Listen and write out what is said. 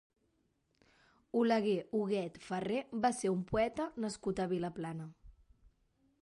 Oleguer Huguet Ferré va ser un poeta nascut a Vilaplana.